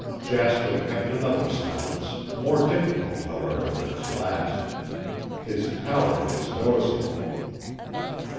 Jasper kept another silence, more difficult, however, than his last. His pallor was noticeable.